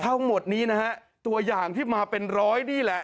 ทั้งหมดนี้นะฮะตัวอย่างที่มาเป็นร้อยนี่แหละ